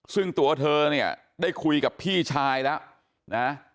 ซึ่งตัวเธอเนี่ยได้คุยกับพี่ชายแล้วนะ